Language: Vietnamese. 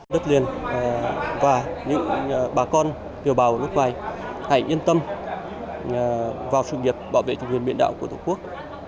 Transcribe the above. đất liền và những bà con kiều bào ở nước ngoài hãy yên tâm vào sự nghiệp bảo vệ chủ quyền biển đảo của tổ quốc